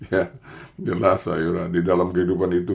ya jelas sayuran di dalam kehidupan itu